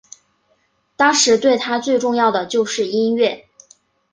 当时对他最重要的就是音乐。